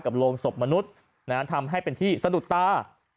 โรงศพมนุษย์ทำให้เป็นที่สะดุดตา